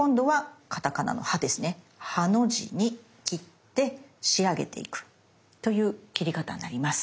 「ハ」の字に切って仕上げていくという切り方になります。